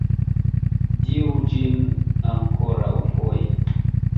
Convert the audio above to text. Diru ĝin ankoraŭfoje!